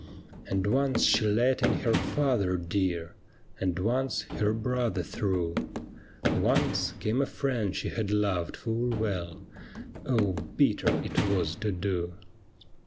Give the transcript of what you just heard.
And once she let in her father dear, And once her brother through ; Once came a friend she had loved full well. Oh, bitter it was to do